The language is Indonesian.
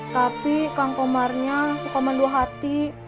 tapi kang komarnya suka malu hati